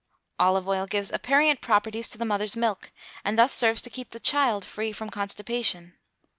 Olive oil gives aperient properties to the mother's milk, and thus serves to keep the child free from constipation.